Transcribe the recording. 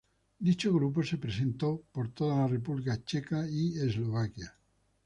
Dicho grupo se presentó por toda la República Checa y Eslovaquia.